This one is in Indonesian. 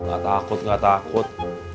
gak takut gak takut